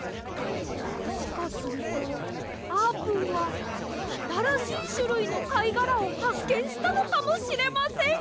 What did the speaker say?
もしかするとあーぷんはあたらしいしゅるいのかいがらをはっけんしたのかもしれません！